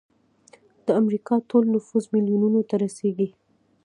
د امریکا ټول نفوس میلیونونو ته رسیږي.